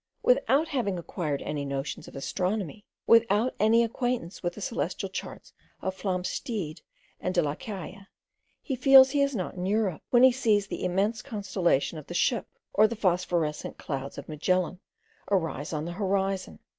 Without having acquired any notions of astronomy, without any acquaintance with the celestial charts of Flamsteed and De La Caille, he feels he is not in Europe, when he sees the immense constellation of the Ship, or the phosphorescent Clouds of Magellan, arise on the horizon.